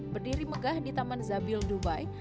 berdiri megah di taman zabil dubai